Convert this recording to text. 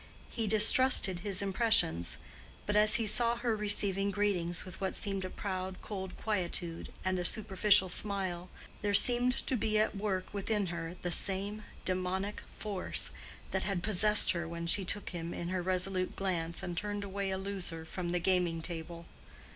He distrusted his impressions; but as he saw her receiving greetings with what seemed a proud cold quietude and a superficial smile, there seemed to be at work within her the same demonic force that had possessed her when she took him in her resolute glance and turned away a loser from the gaming table.